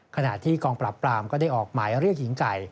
ขณะที่กองปรับปรามก็ได้ออกหมายเรียกหญิงไก่